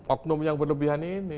oknum yang berlebihan ini